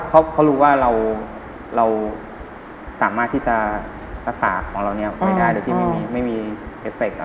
เค้ารู้ว่าเราเราสามารถที่จะซ่าฝากของเรานี้เอาไปได้ด้วยที่ไม่มีผลตัว